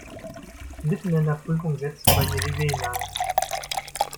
Mitten in der Prüfung setzten bei ihr die Wehen ein.